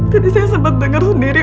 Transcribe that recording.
tadi saya sempat dengar sendiri